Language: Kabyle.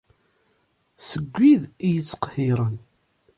Seg wid i iyi-ittqehhiren!